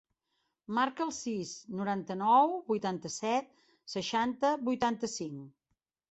Marca el sis, noranta-nou, vuitanta-set, seixanta, vuitanta-cinc.